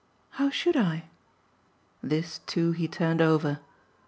"How should I?" This too he turned over.